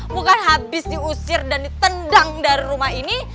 bukan habis diusir dan ditendang dari rumah ini